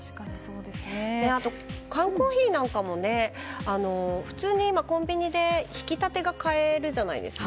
あと、缶コーヒーなんかも普通に今はコンビニでひき立てが買えるじゃないですか。